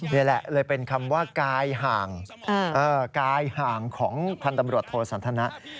นี่แหละเลยเป็นคำว่ากายห่างกายห่างของพันธ์ตำรวจโทสันทนะ